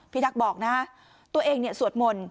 ทักษ์บอกนะตัวเองเนี่ยสวดมนต์